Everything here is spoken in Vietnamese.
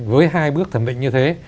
với hai bước thẩm định như thế